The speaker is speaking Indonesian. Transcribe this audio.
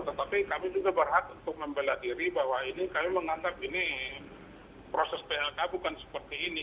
tetapi kami juga berhak untuk membela diri bahwa ini kami menganggap ini proses phk bukan seperti ini